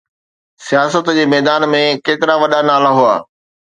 سياست جي ميدان ۾ ڪيترا وڏا نالا هئا؟